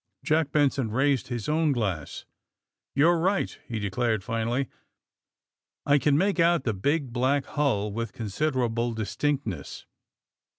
Jack Benson raised his own glass. You're right," he declared finally. '^I can make out the big, black hull with considerable distinctness.